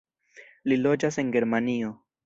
Li loĝas en Germanio.